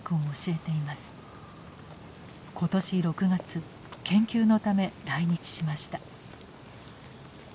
今年６月研究のため来日しました。